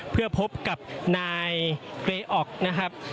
เพื่อพบกับนายเกรออกนะครับ